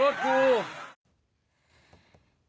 รถกูรถกู